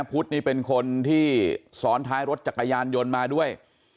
พุทธนี่เป็นคนที่ซ้อนท้ายรถจักรยานยนต์มาด้วย